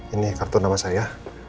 ini kartu nama saya